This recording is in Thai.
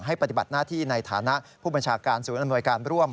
ปฏิบัติหน้าที่ในฐานะผู้บัญชาการศูนย์อำนวยการร่วม